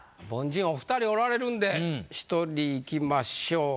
凡人お２人おられるんで１人いきましょう。